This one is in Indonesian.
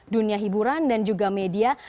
dunia hiburan dan juga media